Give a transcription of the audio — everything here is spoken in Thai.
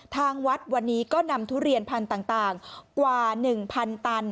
ทางวัดวันนี้ก็นำทุเรียนพันธุ์ต่างกว่า๑๐๐ตัน